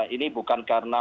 ini bukan karena